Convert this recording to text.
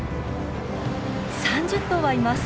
３０頭はいます。